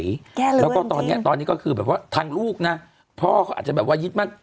แล้วก็ตอนนี้ก็คือแบบว่าทางลูกนะพ่อเขาอาจจะแบบว่ายิดมาก